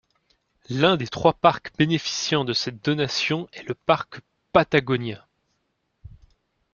L'un des trois parcs bénéficiant de cette donation est le parc Patagonia.